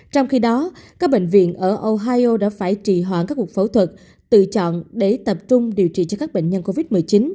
trong khi đó các bệnh viện ở ohio đã phải trì hoãn các cuộc phẫu thuật tự chọn để tập trung điều trị cho các bệnh nhân covid một mươi chín